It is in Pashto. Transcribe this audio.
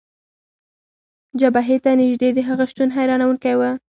جبهې ته نژدې د هغه شتون، حیرانونکی و.